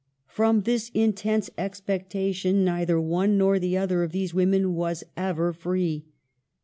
From this intense expectation neither one nor the other of these women was ever free.